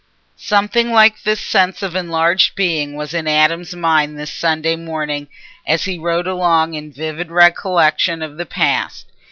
Something like this sense of enlarged being was in Adam's mind this Sunday morning, as he rode along in vivid recollection of the past.